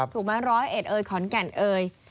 ถูกมาร้อยเอดเอยขอนแก่นเอย